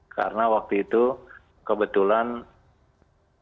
karena waktu itu kebetulan kita kerjasama dengan gmf atau garuda maintenance specialist